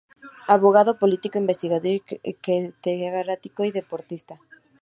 Abogado, político, investigador, catedrático y deportista.